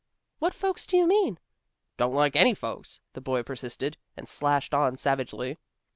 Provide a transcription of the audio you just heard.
"What folks do you mean?" "Don't like any folks," the boy persisted, and slashed on savagely.